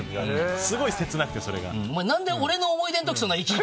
すごい切なくてそれが。